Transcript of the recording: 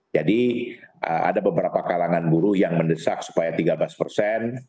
jadi ada beberapa kalangan buruh yang mendesak supaya tiga belas persen